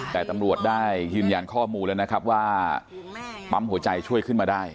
แต่ตำรวจได้ยืนยันข้อมูลแล้วนะครับว่าปั๊มหัวใจช่วยขึ้นมาได้